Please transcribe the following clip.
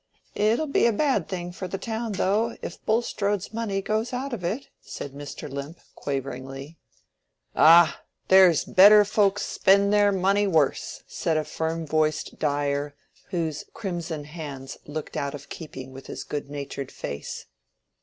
"It'll be a bad thing for the town though, if Bulstrode's money goes out of it," said Mr. Limp, quaveringly. "Ah, there's better folks spend their money worse," said a firm voiced dyer, whose crimson hands looked out of keeping with his good natured face.